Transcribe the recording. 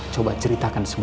coba ceritakan semua